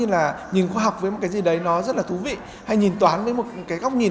là nhìn khoa học với một cái gì đấy nó rất là thú vị hay nhìn toán với một cái góc nhìn